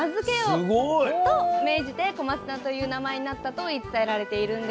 すごい！と命じて小松菜という名前になったと言い伝えられているんです。